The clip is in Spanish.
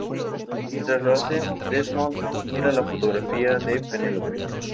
Mientras lo hacen, Desmond mira la fotografía de Penelope.